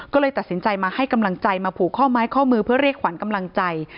ก็เลยตัดสินใจมาให้กำลังใจมาผูกข้อไม้ข้อมือเพื่อเรียกขวัญกำลังใจ